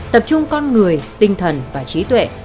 tập trung con người tinh thần và trí tuệ